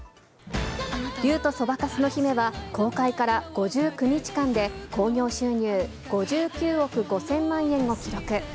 竜とそばかすの姫は、公開から５９日間で、興行収入、５９億５０００万円を記録。